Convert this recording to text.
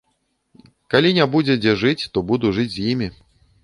Калі не будзе дзе жыць, то буду жыць з імі.